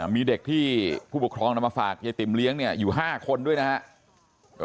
มีเด็กที่ผู้ปกครองนำมาฝากยายติ๋มเลี้ยงเนี่ยอยู่๕คนด้วยนะครับ